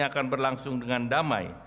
akan berlangsung dengan damai